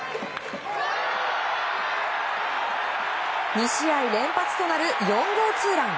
２試合連発となる４号ツーラン。